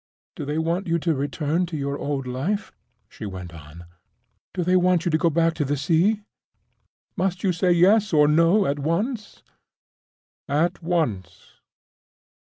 "Do they want you to return to your old life?" she went on. "Do they want you to go back to the sea? Must you say Yes or No at once?" "At once."